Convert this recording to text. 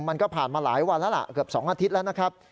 มันก็ผ่านมาหลายวันแล้วล่ะเกือบ๒อาทิตย์แล้วนะครับ